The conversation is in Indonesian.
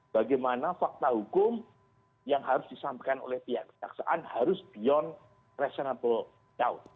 bagaimana fakta hukum yang harus disampaikan oleh pihak kejaksaan harus beyond reasonable down